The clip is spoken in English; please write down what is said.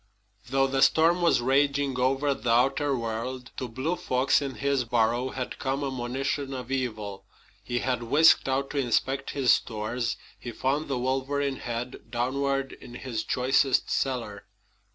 Though the storm was raging over the outer world, to Blue Fox in his burrow had come a monition of evil. He had whisked out to inspect his stores. He found the wolverine head downward in his choicest cellar.